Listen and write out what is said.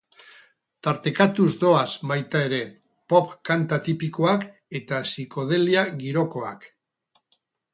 Tartekatuz doaz baita ere, pop kanta tipikoak eta sikodelia girokoak.